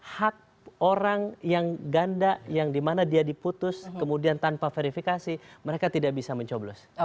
hak orang yang ganda yang dimana dia diputus kemudian tanpa verifikasi mereka tidak bisa mencoblos